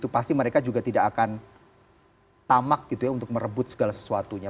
pasti mereka juga tidak akan tamak gitu ya untuk merebut segala sesuatunya